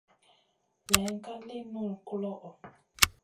Layn ka li nullu guloʼo.